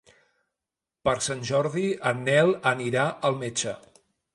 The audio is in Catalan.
Per Sant Jordi en Nel anirà al metge.